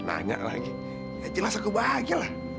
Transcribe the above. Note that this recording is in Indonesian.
nanya lagi ya jelas aku bahagia lah